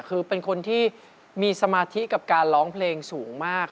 คือเป็นคนที่มีสมาธิกับการร้องเพลงสูงมาก